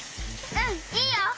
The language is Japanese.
うんいいよ！